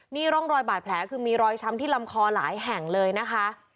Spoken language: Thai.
นี่ร่องรอยบาดแผลคือมีรอยช้ำที่ลำคอหลายแห่งเลยนะคะ